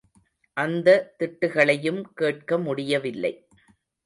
அந்த திட்டுகளையும் கேட்க முடியவில்லை.